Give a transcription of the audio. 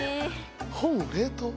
本を冷凍？